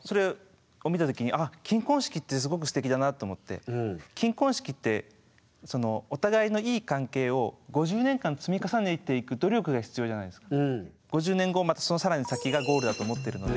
それとあの金婚式ってお互いのいい関係を５０年間積み重ねていく努力が必要じゃないですか。